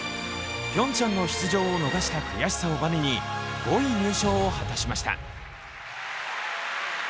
ピョンチャンの出場を逃した悔しさをばねに、５位入賞を果たしました。